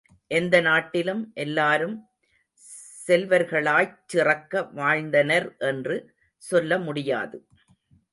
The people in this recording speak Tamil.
எந்த நாட்டிலும் எல்லாரும் செல்வர்களாய்ச் சிறக்க வாழ்ந்தனர் என்று சொல்ல முடியாது.